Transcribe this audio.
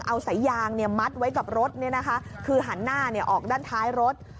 เอาสายยางมัดไว้กับรถคือหันหน้าออกด้านท้ายรถ